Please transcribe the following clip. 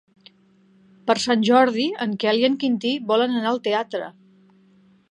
Per Sant Jordi en Quel i en Quintí volen anar al teatre.